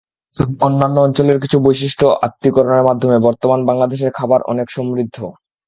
তবে অন্যান্য অঞ্চলের কিছু বৈশিষ্ট্য আত্মীকরণের মাধ্যমে বর্তমান বাংলাদেশের খাবার অনেক সমৃদ্ধ।